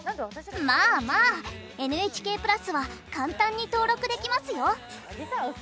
まあまあＮＨＫプラスは簡単に登録できますよ。